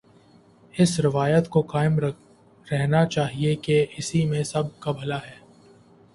اس روایت کو قائم رہنا چاہیے کہ اسی میں سب کابھلا ہے۔